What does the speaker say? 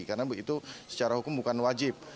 karena itu secara hukum bukan wajib